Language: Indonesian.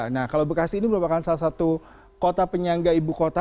nah kalau bekasi ini merupakan salah satu kota penyangga ibu kota